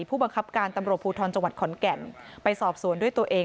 ผู้บังคับการตำรวจภูทรจังหวัดขอนแก่นไปสอบสวนด้วยตัวเอง